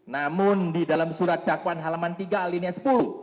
namun di dalam surat dakwaan halaman tiga alinia sepuluh